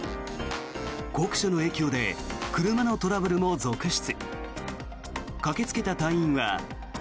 酷暑の影響で車のトラブルも続出。